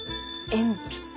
鉛筆。